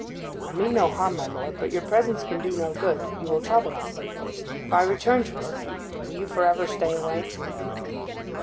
I mean no harm, my lord; but your presence can do no good; you will trouble us. If I return to her, will you for ever stay away?